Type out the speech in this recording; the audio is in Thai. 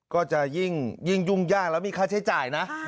ก็จะยิ่งยุ่งยากแล้วมีค่าใช้จ่ายนะ